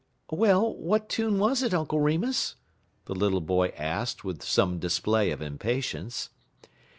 "Well, what tune was it, Uncle Remus?" the little boy asked, with some display of impatience.